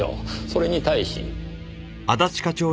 それに対し。